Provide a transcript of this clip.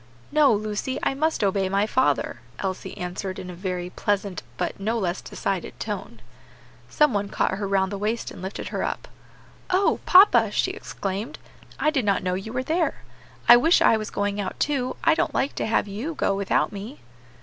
"No, Lucy, I must obey my father," Elsie answered in a very pleasant but no less decided tone. Some one caught her round the waist and lifted her up. "Oh! papa," she exclaimed, "I did not know you were there! I wish I was going too; I don't like to have you go without me."